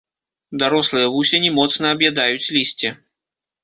Дарослыя вусені моцна аб'ядаюць лісце.